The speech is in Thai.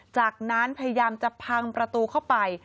จากนั้นพยายามจะพังประตูเข้าไป